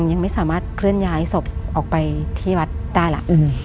ยังไม่สามารถเคลื่อนย้ายศพออกไปที่วัดได้ล่ะ